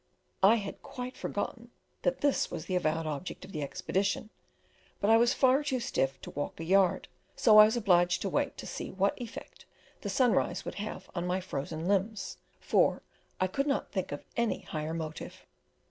I had quite forgotten that this was the avowed object of the expedition, but I was far too stiff to walk a yard, so I was obliged to wait to see what effect the sunrise would have on my frozen limbs, for I could not think of any higher motive.